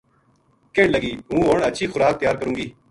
کہن لگی ہوں ہن ہچھی خوراک تیار کروں گی